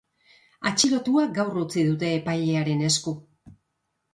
Atxilotua gaur utzi dute epailearen esku.